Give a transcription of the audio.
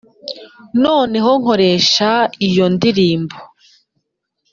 noneho nkoresha iyo ndirimbo